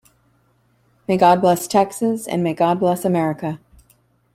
May God Bless Texas and May God Bless America.